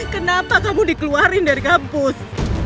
kenapa kamu dikeluarin dari kampus